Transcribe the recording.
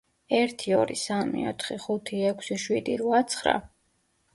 ერთი, ორი, სამი, ოთხი, ხუთი, ექვსი, შვიდი, რვა, ცხრა.